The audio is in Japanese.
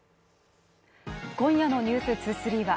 今夜の「ｎｅｗｓ２３」は